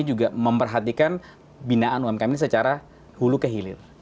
juga memperhatikan binaan umkm ini secara hulu kehilir